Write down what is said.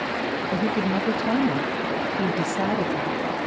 But he could never tell me. He had decided that.